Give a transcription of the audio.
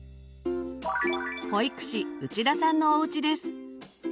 保育士内田さんのおうちです。